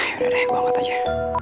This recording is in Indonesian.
yaudah deh gue angkat aja